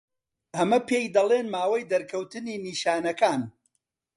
ئەمە پێی دەڵێن ماوەی دەرکەوتنی نیشانەکان.